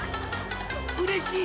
［うれしい！